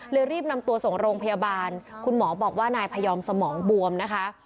รีบนำตัวส่งโรงพยาบาลคุณหมอบอกว่านายพยอมสมองบวมนะคะ